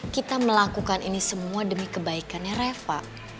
kita melakukan ini semua demi kebaikannya reva